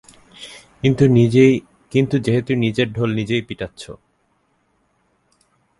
কিন্তু যেহেতু নিজেই নিজের ঢোল পিটাচ্ছ।